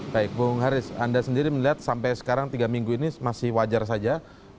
baik bung haris anda sendiri melihat sampai sekarang tiga minggu ini masih wajar saja